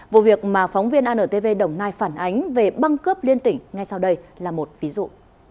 vụ việc mà phóng viên antv đồng nai phản ánh về băng cướp liên tỉnh ngay sau đây là một ví dụ